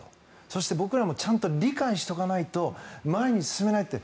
そして僕らもちゃんと理解しておかないと前に進めないって。